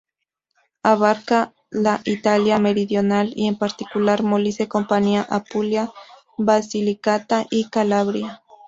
Abarca la Italia meridional y en particular Molise, Campania, Apulia, Basilicata y Calabria.